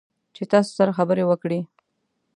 چې تاسو سره خبرې وکړي